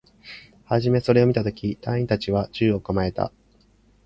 はじめそれを見たとき、隊員達は銃を構えた